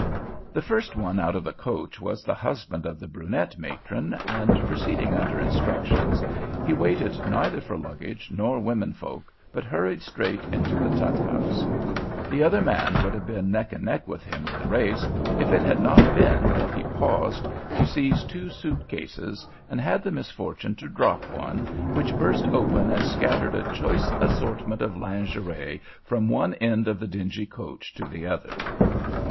The first one out of the coach was the husband of the brunette matron, and, proceeding under instructions, he waited neither for luggage nor women folk, but hurried straight into the Tutt House. The other man would have been neck and neck with him in the race, if it had not been that he paused to seize two suitcases and had the misfortune to drop one, which burst open and scattered a choice assortment of lingerie from one end of the dingy coach to the other.